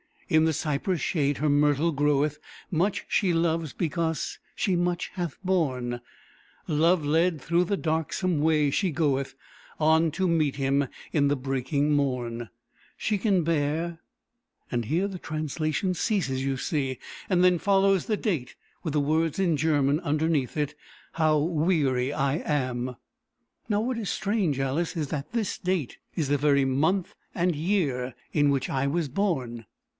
In the cypress shade her myrtle groweth; Much she loves, because she much hath borne; Love led, through the darksome way she goeth On to meet him in the breaking morn. She can bear " "Here the translation ceases, you see; and then follows the date, with the words in German underneath it 'How weary I am!' Now what is strange, Alice, is, that this date is the very month and year in which I was born."